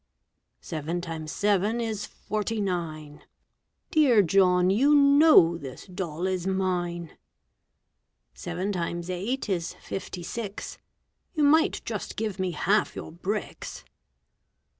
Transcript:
Seven times seven is forty nine. Dear John, you know this doll is mine. Seven times eight is fifty six. You might just give me half your bricks!